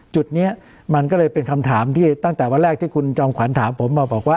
จุดนี้มันก็เลยเป็นคำถามที่ตั้งแต่วันแรกที่คุณจอมขวัญถามผมมาบอกว่า